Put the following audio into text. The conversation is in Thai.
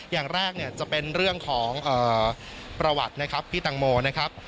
อย่างแรกเนี่ยจะเป็นเรื่องของประวัตินะครับพี่ตังโมนะครับ